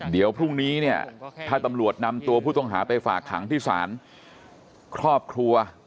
เดี๋ยวพรุ่งนี้เนี่ยถ้าตำรวจนำตัวผู้ต้องหาไปฝากขังที่ศาลครอบครัว